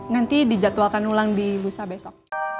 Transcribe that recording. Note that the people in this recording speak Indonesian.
nanti dijadwalkan ulang di busa besok